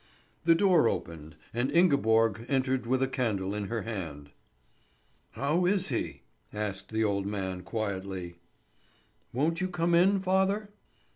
The door opened, and Ingeborg entered with a candle in her hand. "How is he?" asked the old man, quietly. "Won't you come in, father?"